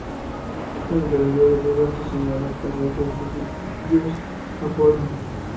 La mitología griega los señala como hijos del dios Apolo.